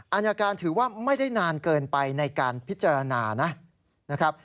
อายการถือว่าไม่ได้นานเกินไปในการพิจารณานะครับ